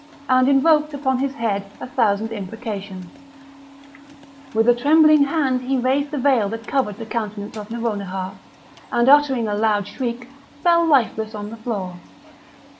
and invoked upon his head a thousand imprecations; with a trembling hand he raised the veil that covered the countenance of Nouronihar, and, uttering a loud shriek, fell lifeless on the floor.